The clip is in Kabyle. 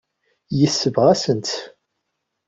Yesbeɣ-asent-t.